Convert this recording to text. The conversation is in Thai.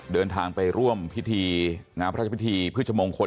เดินทางไปร่วมพิธีงานพระราชพิธีพฤชมงคล